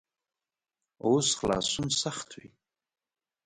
اوس خلاصون سخت وي.